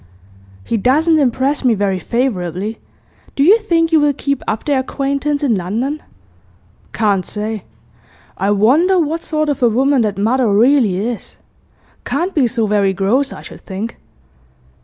'He doesn't impress me very favourably. Do you think you will keep up their acquaintance in London?' 'Can't say. I wonder what sort of a woman that mother really is? Can't be so very gross, I should think.